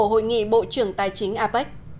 hội nghị bộ trưởng tài chính apec